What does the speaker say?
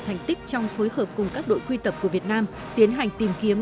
thành tích trong phối hợp cùng các đội quy tập của việt nam tiến hành tìm kiếm